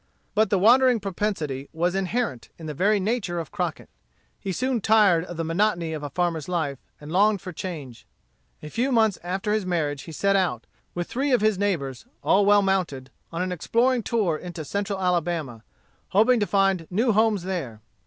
But the wandering propensity was inherent in the very nature of Crockett. He soon tired of the monotony of a farmer's life, and longed for change. A few months after his marriage he set out, with three of his neighbors, all well mounted, on an exploring tour into Central Alabama, hoping to find new homes there.